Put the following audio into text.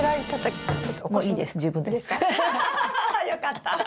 よかった。